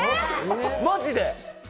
マジで！